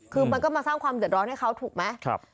คือมันก็มาสร้างความเดือดร้อนให้เขาถูกไหม